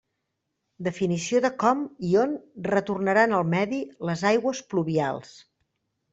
Definició de com i on retornaran al medi les aigües pluvials.